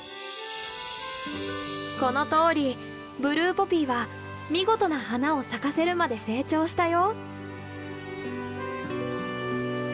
このとおりブルーポピーは見事な花を咲かせるまで成長したよ。